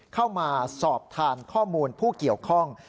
เข้ามาสอบทานข้อมูลผู้เกี่ยวข้อง